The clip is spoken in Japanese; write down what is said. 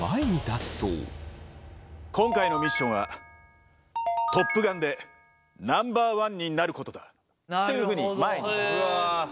「今回のミッションはトップガンでナンバーワンになることだ」というふうに前に出す。